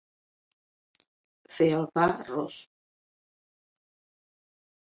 Fer el pa ros.